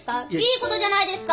いいことじゃないですか。